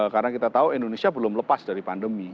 karena kita tahu indonesia belum lepas dari pandemi